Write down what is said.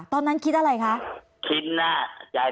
ตอนนั้นคิดอะไรคะคิดน่ะ